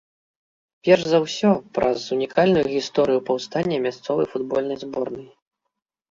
Перш за ўсё, праз унікальную гісторыю паўстання мясцовай футбольнай зборнай.